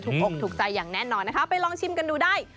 อกถูกใจอย่างแน่นอนนะคะไปลองชิมกันดูได้